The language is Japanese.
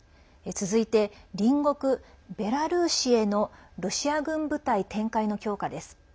続いて、隣国ベラルーシへのロシア軍部隊展開の強化です。